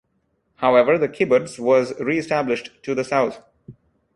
However, the kibbutz was re-established to the south.